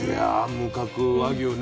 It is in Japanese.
無角和牛に。